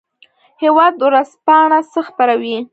هیواد ورځپاڼه څه خپروي؟